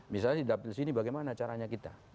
misalnya di dapil sini bagaimana caranya kita